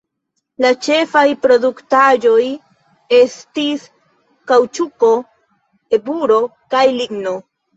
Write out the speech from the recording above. La ĉefaj produktaĵoj estis kaŭĉuko, eburo kaj ligno.